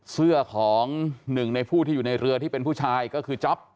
เสื้อของหนึ่งในผู้ที่อยู่ในเรือที่เป็นผู้ชายก็คือจ๊อป